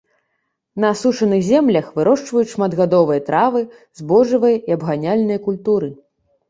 На асушаных землях вырошчваюць шматгадовыя травы, збожжавыя і абганяльныя культуры.